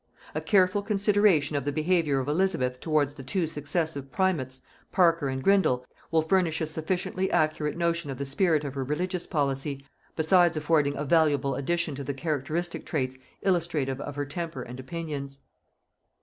A careful consideration of the behaviour of Elizabeth towards the two successive primates Parker and Grindal, will furnish a sufficiently accurate notion of the spirit of her religious policy, besides affording a valuable addition to the characteristic traits illustrative of her temper and opinions.